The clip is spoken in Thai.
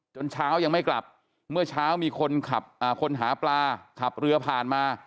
เช้ายังไม่กลับเมื่อเช้ามีคนหาปลาขับเรือผ่านมา